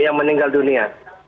yang meninggal dunia